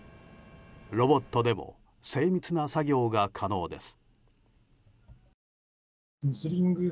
ロボットでも精密な作業が可能です。